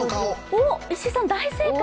おっ、石井さん、大正解！